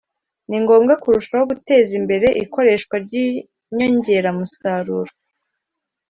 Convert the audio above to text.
ni ngombwa kurushaho guteza imbere ikoreshwa ry'inyongeramusaruro